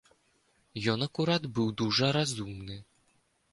Ён акурат быў дужа разумны.